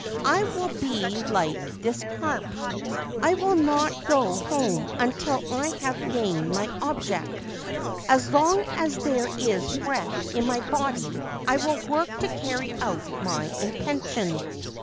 I will be like this carp. I will not go home until I have gained my object. As long as there is breath in my body I will work to carry out my intention.